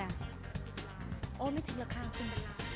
โอ้ยไม่ถึงหลักครั้งคืน